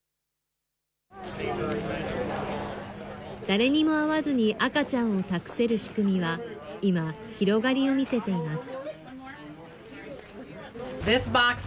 誰にも会わずに赤ちゃんを託せる仕組みは、今、広がりを見せています。